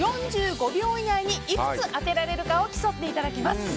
４５秒以内にいくつ当てられるかを競っていただきます。